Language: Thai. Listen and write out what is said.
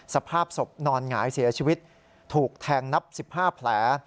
สภาพศพนอนหงายเสียชีวิตถูกแทงนับ๑๕แผล